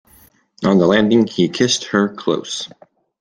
On the landing he kissed her close.